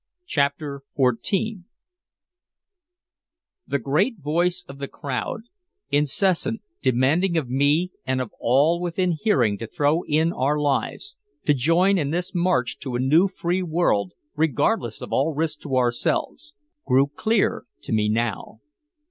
CHAPTER XIV The great voice of the crowd incessant, demanding of me and of all within hearing to throw in our lives, to join in this march to a new free world regardless of all risk to ourselves grew clear to me now.